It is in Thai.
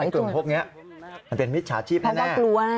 กลุ่มพวกนี้มันเป็นมิตรชาชีพแน่แปลว่ากลัวนะ